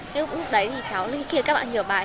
thế cũng đấy thì cháu khi các bạn nhờ bài